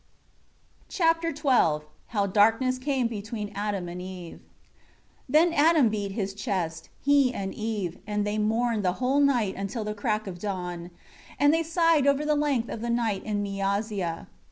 Chapter XII How darkness came between Adam and Eve. 1 Then Adam beat his chest, he and Eve, and they mourned the whole night until the crack of dawn, and they sighed over the length of the night in Miyazia.